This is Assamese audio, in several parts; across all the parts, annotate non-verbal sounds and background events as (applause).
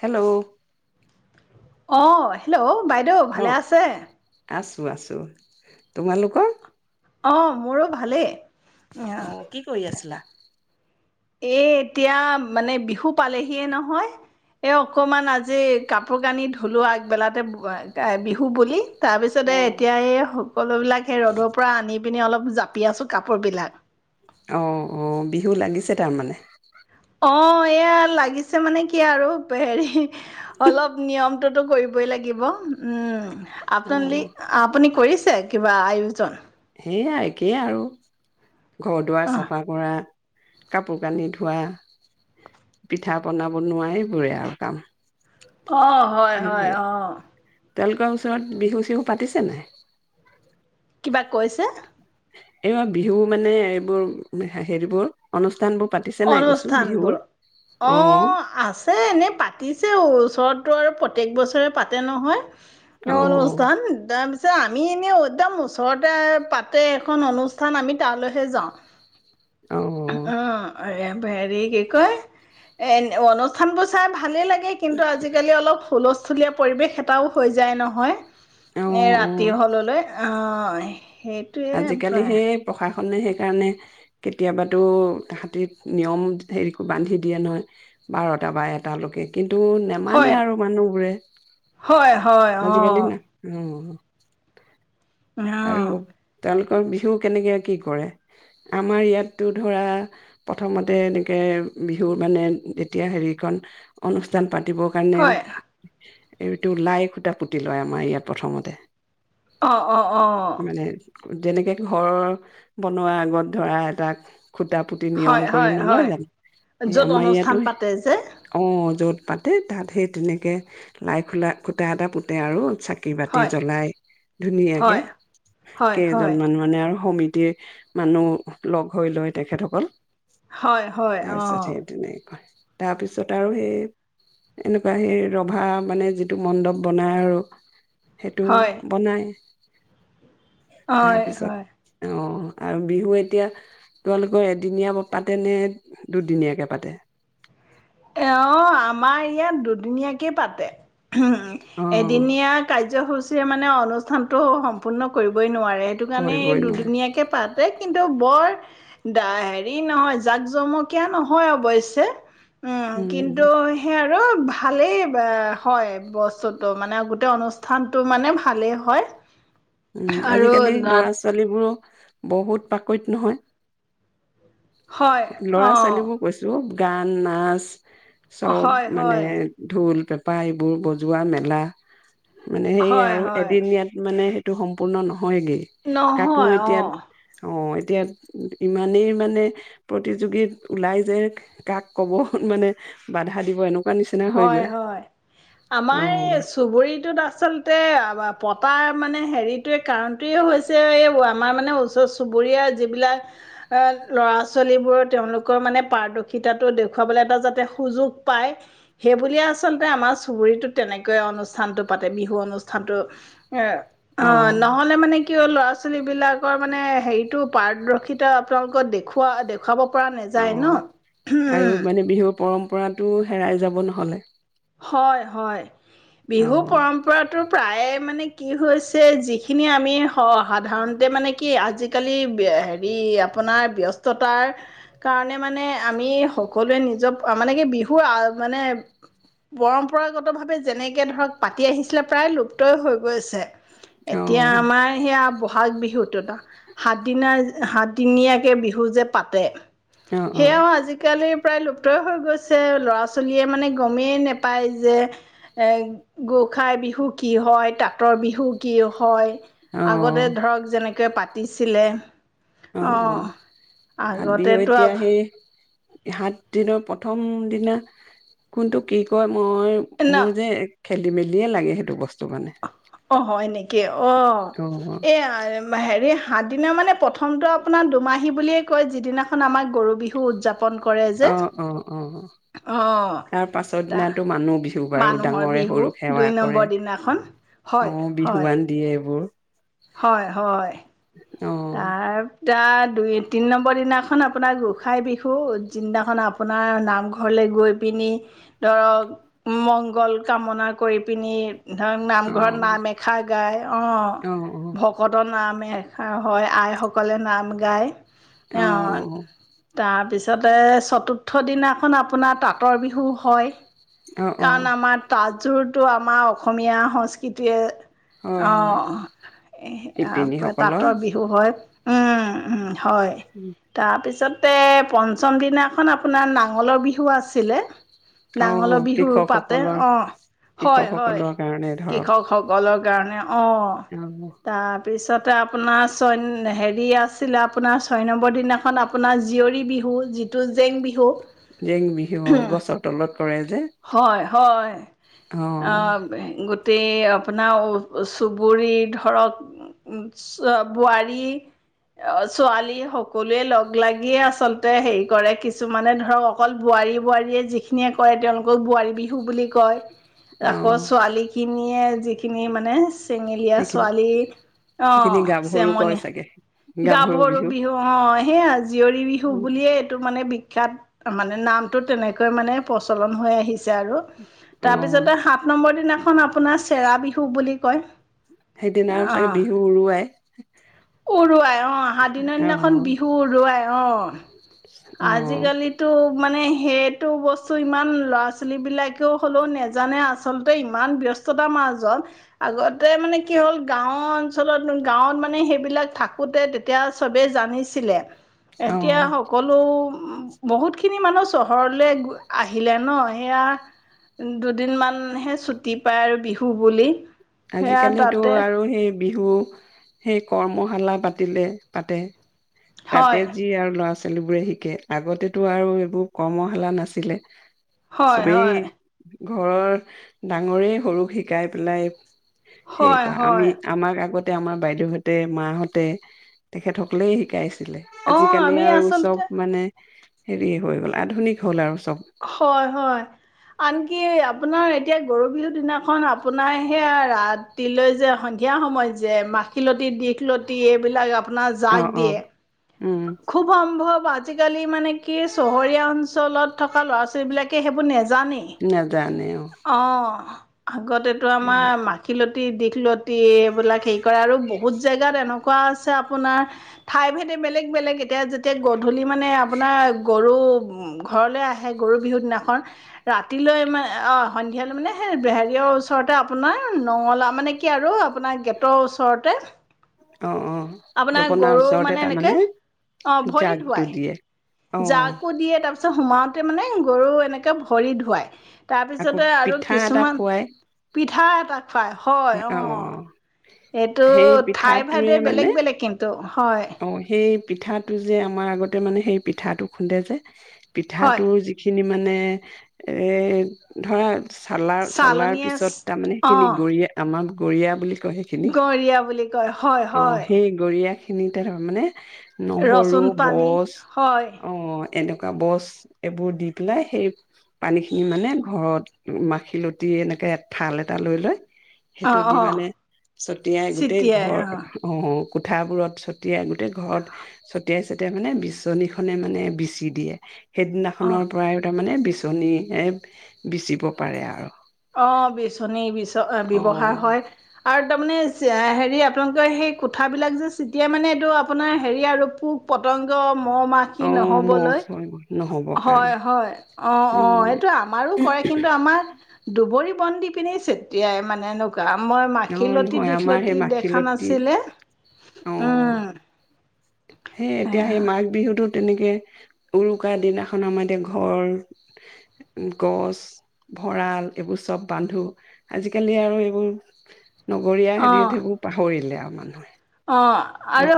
হেল্ল' অ' হেল্ল' বাইদেউ অ ভালে আছে। আছো আছো তোমালোকৰ? অ মোৰো ভালেই। অ কি কৰি আছিলা? এ এতিয়া মানে বিহু পালেহিয়ে নহয় এই অকমান আজি কাপোৰ কানি ধূলো আগবেলাতে তে বিহু বুলি। তাৰ পিছতে অ এতিয়া এই সকলো বিলাক সেই ৰ'দৰ পৰা আনি পিনি অলপ জাপি আছো কাপোৰবিলাক। অ অ বিহু লাগিছে তাৰমানে। অ এয়া লাগিছে মানে কি আৰু হেৰি অলপ নিয়ম। কৰিবই লাগিব অ আপোনালি আপুনি কৰিছে কিবা আয়োজন সেয়াই একেই আৰু ঘৰ দুৱাৰ অঁ চাফা কৰা। কাপোৰ কানি ধোঁৱা, পিঠাপনা বনোৱা, এইবোৰে আৰু কাম। অ', হয়-হয় সেইবোৰে অ'। তেওঁলোকৰ ওচৰত বিহু চিহু পাতিছেনে নাই? কিবা কৈছে? এইবাৰ বিহু মানে এইবোৰ হেৰিবোৰ অনুষ্ঠানবোৰ অনুষ্ঠানবোৰ অ' আছে এনে পাতিছে ওচৰত। (unintelligible) টো আৰু প্ৰত্যেক বছৰে পাতে নহয়। অ (unintelligible) (unintelligible) আমি এনে একদম ওচৰতে পাতে এখন অনুষ্ঠান আমি তালৈহে যাওঁ। অ অ'। (unintelligible) হেৰি কি কয় এই অনুষ্ঠানবোৰ। (inaudible) ভালেই লাগে কিন্তু আজিকালি অলপ হুলস্থলীয়া পৰিৱেশ এটাও হৈ যায় নহয়। অ এ অ ৰাতি হ'ললৈ অ' হয়। আজিকালি সেই প্ৰশাসন নে সেইকাৰণে কেতিয়াবাতো হাতীত নিয়ম হেৰি বান্ধি দিয়ে নহয় বাৰটা বা এটালৈকে। কিন্তু নেমানানে হয় আৰু মানুহবোৰে, হয় হয় অঁ আজিকালি না অঁ আৰু তেওঁলোক কৰ বিহু কেনেকৈ কি কৰে? আমাৰ ইয়াততো ধৰা প্ৰথমতে এনেকৈ বিহুৰ মানে যেতিয়া হেৰিকন অনুষ্ঠান পাত দিবৰ কাৰণে হয় এইটো লাই খুঁটা পুতি লয় আমাৰ ইয়াত প্ৰথমতে। অ', অ', অ'। মানে যেনেকে ঘৰ বনোৱাৰ আগত ধৰা এটাক খুঁটা পুতি হয় নিয়ম কৰি হয় নলয় হয় জানো, এই য'ত আমাৰ ইয়াতো, অনুষ্ঠান পাতে যে অ য'ত পাতে তাত সেই তেনেকৈ লাই খোলা খুঁটা এটা পু তাতে আৰু চাকি বতি হয় জ্বলাই ধুনীয়া হয় (unintelligible) হয় হয় কেইজনমান মানে আৰু সমিতিয়ে মানুহ লগ হৈ লয় তেখেতসকল। হয়, হয় অ'। তাৰপিছত সেই তেনেকৈ তাৰপিছত আৰু সেই এনেকুৱা সেই ৰভা মানে যিটো মণ্ডপ বনাই আৰু। সেইটো হয় বনাই। হয় হয় তাৰপিছত অ আৰু বিহু এতিয়া তোমালোকৰ এদিনীয়া পাতে নে দুদিনীয়াকে পাতে? অ', আমাৰ ইয়াত দুদিনীয়াকে পাতে। উম। অ' এদিনীয়া কাৰ্যসূচী। মানে অনুষ্ঠানতটো সম্পূৰ্ণ কৰিবই নোৱাৰে। সেইটো কাৰণে এই কৰিবই নোৱাৰে দুদিনীয়াকে পাতে। তাতে কিন্তু বৰ দ হেৰি নহয় জাক জমকীয়া নহয় অৱশ্য। উম কিন্তু সেই আৰু ভালেই হয় বস্তুটো মানে গোটেই অনুষ্ঠানতটো মানে ভালেই হয়। উম আৰু আজিকালি নাট ল'ৰা ছোৱালী বোৰো বহুত পাকৈত নহয়। হয়। অ'। ল'ৰা ছোৱালীবোৰ কৈছো গান, নাচ, চব হয় মানে হয় ঢোল, পেঁপা পাইবোৰ বজোৱা মেলা মানে সেইয়ে হয় আৰু হয় এদিনীয়াত মানে টো সম্পূৰ্ণ নহয়। হয়গে কাকনো নহয় এতিয়া অ'। অ এতিয়া ইমানেই মানে প্ৰতিযোগী ওলাই যে কাক কব মানে বাধা দিব এনেকোৱা হয় হয় আমাৰ অ', এই চুবুৰীটোত আচলতে তাতে পতা মানে হেৰিটোৱে কাৰণটোৱে হৈছে এই আমাৰ মানে ওচৰ চুবুৰীয়া যিবিলাক এ ল'ৰা ছোৱালীবোৰ তেওঁলোকৰ মানে পাৰদৰ্শিতাটো দেখুৱাবলৈ এটা যাতে সুযোগ পায়। সেইবুলিয়ে আচলতে আমাৰ চুবুৰীটোত তেনেকৈ অনুষ্ঠানটো পাতে বিহু অনুষ্ঠানটো। এ অ নহ'লে মানে কি হয় ল'ৰা ছোৱালী বিলাকৰ মানে হেৰিতটো পাৰদৰ্শিতা আপোনালোকৰ দেখুওৱা দেখাব কৰা নাযায় ন অ', আৰু হম। মানে বিহুৰ পৰম্পৰাটো হেৰাই যাব নহলে। হয় হয়। বিহু অ', পৰম্পৰাটোৰ প্ৰায়ে মানে কি হৈছে, যিখিনি আমি অ', সাধাৰণতে মানে কি আজি আজিকালি হেৰি, আপোনাৰ ব্যস্ততাৰ কাৰণে মানে, আমি সকলোৱে নিজক মানে কি বিহুৰ আৰু মানে পৰম্পৰাগতভাৱে যেনেকে ধৰক পাতি আহিছিলে, প্ৰায় লুপ্তই হৈ গৈছে। এতিয়া অ', আমাৰ সেইয়া বহাগ বিহুটোত, সাত দিনা সাতদিনীয়াকে বিহু যে পাতে অ', অ'। সেয়াও আজিকালি প্ৰায় লুপ্তই হৈ গৈছে, ল'ৰা ছোৱালীয়ে মানে গমেই না পাই যে, এ, গোসাঁই বিহু কি হয়। তাঁতৰ বিহু কি হয় আগতে অ', ধৰক যেনে পাতিছিলে। অ', সাত বিহু আগতেতো আ এতিয়া সেই সাত দিনৰ প্ৰথম দিনা, কোনটো কি কয়? মই, ন মোৰ যে খেলি মেলিয়ে লাগে সেইটো বস্তু মানে। অ', হয় নি? অ', এইয়া হেৰি সাত দিনা মানে, প্ৰথমটো আপোনাৰ দুমাহী বুলিয়ে কয়, যিদিনাখন আমাৰ গৰু বিহু উদযাপ অ', অ', অ' অঁ তাৰ পাছৰ তা দিনাতো মানুহ বিহু বাৰু মানুহৰ ডাঙৰে বিহু সৰু সেৱা দুই কৰে, নম্বৰ দিনাখন হয় অ' হয় বিহুৱান দিয়ে। বোৰ হয় হয়। অ', তাৰ তাৰ দুই তিনি নম্বৰ দিনাখন আপোনাৰ গোসাঁই বিহু, যিদিনাখন আপোনাৰ নামঘৰলৈ গৈ পিনি ধৰক মংগল কামনা কৰি পিনি ধৰক নামঘৰত অ', নাম এষাৰ গায়। অ', ভকতৰ নাম (unintelligible) অ', হয়, আইসকলে নাম গায়। অ', তাৰপিছত তাতে, চতুৰ্থ দিনাখন আপোনাৰ তাঁতৰ বিহু হয়। অ', কাণ, অ', আমাৰ তাত জোনটো আমাৰ অসমীয়া সংস্কৃতিয়ে হয়, হয় অ', এহ আ পাত শিপিনীসকলৰ তাঁতৰ বিহু হয়। উম উম। হয়। তাৰপিছত ততে, পঞ্চম দিনাখন আপোনাৰ নাঙলৰ বিহু আছিলে। নাঙলৰ অ', বিহু পাতে। কৃষকসকলৰ অ', হয় হয়। কৃষকসকলৰ কাৰণে ধৰক কৃষক সকলৰ কাৰণে। অ', অ', তাৰ পিছত (unintelligible) আপোনাৰ ছয়, হেৰি আছিলে আপোনাৰ ছয় নম্বৰ দিনাখন আপোনাৰ জীয়ৰী বিহু যিটো জেং বিহু জেং বিহু অ', গছৰ তলত কৰে যে। হয় হয়। অ', গো গোটেই আপোনাৰ চুবুৰি ধৰক উ বোৱাৰী, ছোৱালী সকলোৱে লগ লাগিয়ে আচলতে হেৰি কৰে কিছুমানে ধৰক অকল বোৱাৰী বোৱাৰীয়ে যিখিনিয়ে কৰে তেওঁলোকক বোৱাৰী বিহু বুলি কয়। আকৌ অ', ছোৱালী খিনিয়ে- যিখিনি মানে চেঙেলীয়া সেইখিনি ছোৱালী- অ সেইখিনি গাভৰু কয় চেমনে চাগে। গাভৰু বিহু অ সেইয়া জীয়ৰী বিহু উম, বুলিয়ে এই তো মে মানে বিখ্য্াত মানে নামতো তেনেকৈ মানে প্ৰচলন হৈ আহিছে আৰু, অ', তাৰপিছতে হাত নম্বৰ দিনা খন আপোনাৰ চেৰা বিহু বুলি কয়। সেইদিনা আৰু চাগে অ' বিহু- উৰুৱাই উৰুৱাই অ দিনৰ দিনাখন অ', বিহু উৰুোৱাই। অ'। অ', আজিকালিতো- মানে সেইটো বস্তু ইমান ল'ৰা ছোৱালীবিলাকেও হ'লেও নেজানে, আচলতে ইমান ব্যস্ততাৰ মাজত আগতে মানে কি হ'ল গাঁৱত অঞ্চলত, গাঁৱত মানে সেইবিলাক থাকোঁতে তেতিয়া চবেই জানিছিলে। এতিয়া অ', সকলো- বহুত খিনি মানুহ চহৰলৈ আহিলে ন, সেয়া দুদিন মানহে ছুটি পায় আৰু বিহু বুলি। সেয়া আজিকালিতো তাতে আৰু সেই- বিহু সেই কৰ্মশালা পাতিলে পাতে। হয় তাতে যি আৰু ল'ৰা ছোৱালী ছোৱালী বোৰে শিকে আগতেতো আৰু এইবোৰ কৰ্মশালা নাছিলে। হয় চবেই হয়। ঘৰৰ ডাঙৰেই সৰুক শিকাই পেলাই- সেই হয় ক আমি হয় আমাক আগত আমাৰ বাইদেউহঁতে মাহঁতে তেখেতসকলে শিকাইছে। অঁ আজিকালি আমি আৰু উ আচলতে চব মানে- হেৰি হৈ গ'ল আধুনিক হ'ল আৰু- চব হয় হয় আনকি আপোনাৰ এতিয়া গৰু বিহুৰ দিনাখন আপোনাৰ সেয়া ৰাতিলৈ যে সন্ধিয়া সময়ত যে মাখিলতী দিশলতি এইবিলাক- আপোনাৰ অ জাগ অ দিয়ে। উম খুব সম্ভৱ আজিকালি মানে কি, চহৰীয়া অঞ্চলত থকা ল'ৰা ছোৱালী বিলাক কে হেইবোৰ ন নাজানে অ' অ অ আগতেটো আমাৰ মাখিলত টী, দিখল তী এইবিলাক হেৰি কৰে আৰু বহুত জেগাত এনেকুৱা আছে আপোনাৰ, ঠাই ভেদে বেলেগ বেলেগ এতিয়া যেতিয়া গধূলি মানে আপোনাৰ গৰু ঘৰলৈ আহে গৰু বিহুৰ দিনাখন, ৰাতিলৈ মানে অ', সন্ধিয়ালৈ মানে হে বে হেৰীয়ৰ ওচৰতে আপোনাৰ, নঙলা মানে কি আৰু আপোনাৰ গেটৰ ওচৰতে অ অ আপোনাৰ জপনাৰ গৰু ওচৰতে মানে এনেকে, তাৰমানে অ', ভৰি জাগটো ধুৱাই। দিয়ে অ জাকো দিয়ে তাৰপিছত ছ সোমাওতে মানে গৰু এনেকে ভৰি ধুৱাই। আকৌ তাৰপিছতে আৰু পিঠা এটা কিছুমান খুৱাই পিঠা এটা খুৱাই হয় অ' এইটো সেই ঠাই পিঠাটোৱে ভেদে বেলেগ মানে বেলেগ কিন্তু হয় অ হেই পিঠাটো যে আমাৰ আগতে মানে হেই পিঠাটো খুন্দে যে হয় পিঠাটোৰ যিখিনি মানে মানে, এ, ধৰা চালা-চলাৰ চালনীয়ে পিছত তাৰমানে অ সেইখিনি গৰিয়ে আমা গৰিয়া বুলি কয় সেইখিনি গৰীয়া বুলি কয়, হয় অ হয়। সেই গৰিয়া খিনিতে তাৰমানে নহৰু ৰচুন পানী বছ, হয় অ এনেকুৱা বছ, এইবোৰ দি পেলাই সেই পানীখিনি মানে ঘৰত মাখিলতি এনেকে ঠাল এটা লৈ লয় অ সেইটো দি অ মানে চতিয়াই গোটেই ঘৰ, অ কোঠাবোৰত ছটিয়াই গোটেই ঘৰত, ছটিয়াই-ছতিয়াই মানে বিচনী খনে মানে বিচি দিয়ে। অ সেইদিনাখনৰ পৰাইও তাৰমানে বি বিচনীহে বিচিব পাৰে আৰু অ', বিচনী বিচো অ ব্যৱহাৰ হয় আৰু তাৰমানে, হেৰি আপোনালোকৰ সেই কোঠা বিলাক যে চিটিয়াই মানে এইটো আপোনাৰ হেৰি আৰু পুক পতংগ মহ মাখি অ মৌ নহ'বলৈ, নহ'বৰ হয় কাৰণে হয়, অ', অ', উম সেইটো আমাৰো কৰে কিন্তু আমাৰ (unintelligible) বন দি পিনে ছটিয়াই মানে মই অ মাখিলতী নহয় আমাৰ সেই দীঘলতি দেখা মাখিলতী নাছিলে, উ। হেই এতিয়া সেই মাঘবিহু তেনেকে, উৰুকা দিনাখন আমাৰ এতিয়া ঘৰ, গছ, ভঁৰাল এইবোৰ চব বান্ধো, আজিকালি আৰু এইবোৰ নগৰীয়া হেৰিত সেইবোৰ পাহৰিলে আ (unintelligible) অ', আৰু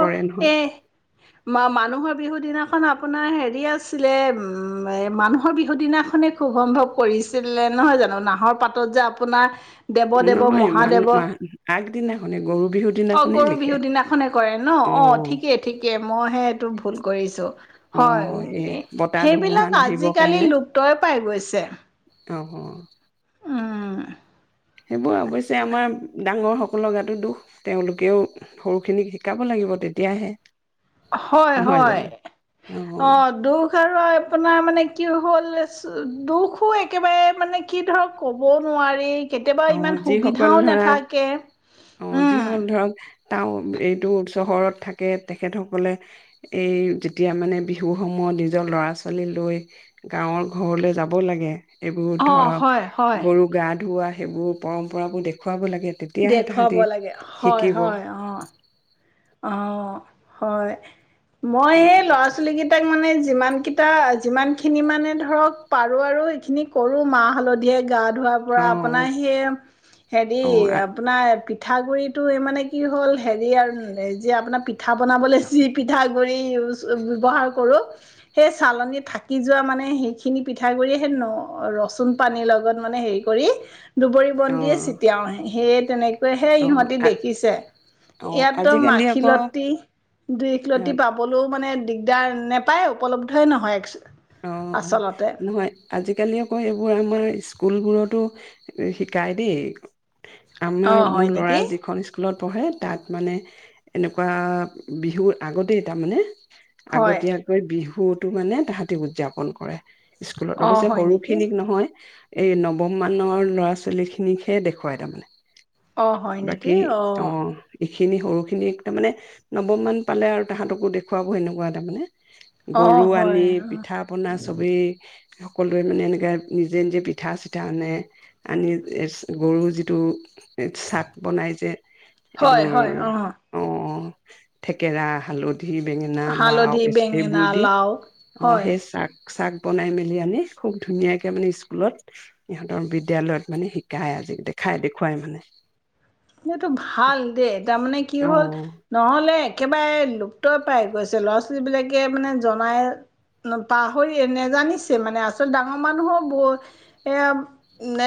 এই মা-মানুহৰ বিহু দিনা আপোনাৰ হেৰি আছিলে, উম, এ, মানুহৰ বিহু দিনাখনেই খুব সম্ভৱ কৰিছিলে নহয় জানো, নাহৰ পাতত যে আপোনাৰ দেৱদেৱ নহয় মান মা মহাদেৱ আগদিনাখনে গৰু বিহুৰ দিনাখনেই লেই বিহু দিনাখনে কৰে ন', অ', ঠিকেই ঠিকেই মই হে ভুল কৰিছোঁ। অ সেই হয়। বতাহ ধুমুহা সেইবিলাক নাহিবৰ আজিকালি লুপ্তই পাই গৈছে। অহ। উম। সেইবোৰ অৱশ্যে আমাৰ ডাঙৰ সকলৰ গাতো দুখ, তেওঁলোকেও সৰুখিনিক শিকাব লাগিব তেতিয়াহে। হয়, নহয় হয়। জানো অ' দুখ (unintelligible) আপোনাৰ মানে কি হ'ল, দুখো একেবাৰে মানে কি ধৰক ক'বও নোৱাৰি। কেতিয়াবা অ', ইমান যিসকল সুবিধাও ধৰা নাথাকে, উম। টাও এইটো চহৰত থাকে তেখেতসকলে, এই যেতিয়া মানে বিহুৰ সময়ত নিজৰ ল'ৰা ছোৱালী লৈ গাঁৱৰ ঘৰলৈ যাব লাগে এইবোৰ অ ধৰক হয় হয় গৰু গা ধুওৱা সেইবোৰ পৰম্পৰাবোৰ দেখুৱাব লা দেখুৱাব লাগে, হয়, হয়, অহ। অহ, হয়। মই সেইটো সেই ল'ৰা কথা ছোৱালী কেইটাক মানে যিমান কেইটা, যিমানখিনি মানে ধৰক পাৰো আৰু সেইখিনি কৰোঁ, মাহ-হালধিৰে গা ধোৱাৰ পৰা অ', আপোনাৰ সেই হেৰি অ', আপোনাৰ পি পিঠাগুৰিটো এই মানে কি হ'ল, হেৰি আৰু যে আপোনাৰ পিঠা বনাবলৈ যি পিঠাগুৰি ইউজ ব্যৱহাৰ কৰোঁ সেই চালনী থাকি যোৱা মানে সেইখিনি পিঠাগুৰি সেই ৰচুন পানীৰ লগত মানে হেৰি কৰি দুবৰি বনদিয়ে অ', চিতিয়াও, সেই তেনে হে অ', ইহঁতি দেখিছে, অ', ইয়াত আজিকালি আকৌ মাখিলতি, দিঘলতি অ', পাবলৈ- মানে দিগদাৰ নেপায়, উপলব্ধয় নহয় এক অ' অ' নহয় আজিকালি আকৌ এইবোৰ আমাৰ স্কুলবোৰত- টো শিকাই দেই। অ আমাৰ হয় মোৰ ল'ৰা নেকি যিখন স্কুলত পঢ়ে তাত মানে এনেকুৱা বিহুৰ আগতেই তাৰ মানে। হয় আগতীয়াকৈ বিহু সুৰটো মানে তাহা উদযাপন কৰে। স্কুলত, অ অৱশ্যে হয় নেকি সৰুখিনিক নহয় এই নৱম মানৰ ল'ৰা ছোৱালী খিনিকহে দেখুৱাই তাৰমানে। অ' হয় নেকি অ'। এইখিনি সৰুখিনি তাৰমানে নৱম মান পালে আৰু তাহাঁতকো দেখুৱাব সেনেকুৱা তাৰমানে। অ গৰু হয় আনি অ পিঠা পনা চবেই- সকলোৱে মানে এনেকে নিজে নিজে পিঠা চিঠা আনে, আনি গৰু যিটো চাক বনাই যে- হয় হয় এইটোৰ অ অ' থেকেৰা, হালধী- (unintelligible) বেঙেনা, লাউ হালধি বেঙেনা এই-এইবোৰ দি লাও অ হয় সেই চাক- চাক বনাই মেলি আনি খুব ধুনীয়াকে মানে স্কুলত ইহঁতৰ বিদ্য়ালয়ত মানে শিকায় আজি দেখাই দেখুৱাই মানে। সেইটো ভাল দেই তাৰমানে কি হ'ল অ নহলে একেবাৰে- (unintelligible) পাই গৈছে ল'ৰা ছোৱালী বিলাকে মানে জমাই, পাহৰিয়ে নেজানিছে মানে আচলতে ডাঙৰ মানুহৰো ভুল